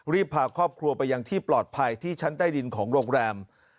พาครอบครัวไปยังที่ปลอดภัยที่ชั้นใต้ดินของโรงแรม